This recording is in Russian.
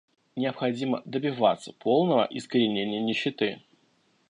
Необходимо добиваться полного искоренения нищеты.